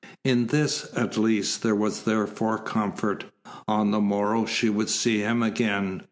In this, at least, there was therefore comfort. On the morrow she would see him again.